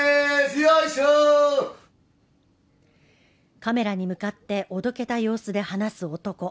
カメラに向かっておどけた様子で話す男